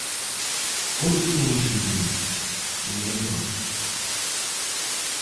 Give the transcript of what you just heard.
¿Onde poñemos o límite, señor Anllóns?